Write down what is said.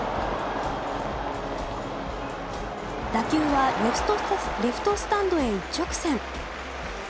打球はレフトスタンドへ一直線。